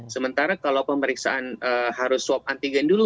sementara kalau pemeriksaan harus swab antigen dulu